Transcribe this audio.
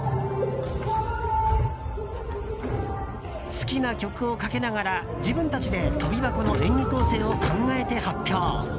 好きな曲をかけながら自分たちで跳び箱の演技構成を考えて発表。